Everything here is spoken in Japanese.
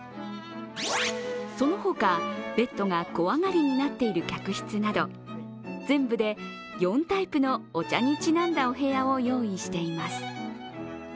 そのほか、ベッドが小上がりになっている客室など、全部で４タイプのお茶にちなんだお部屋を用意しています。